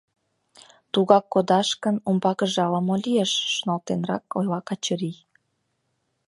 — Тугак кодаш гын, умбакыже ала-мо лиеш, — шоналтенрак ойла Качырий.